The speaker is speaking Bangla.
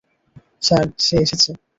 স্যার, সে এসেছে।